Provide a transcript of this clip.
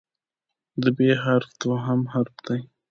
د "ب" حرف دوهم حرف دی.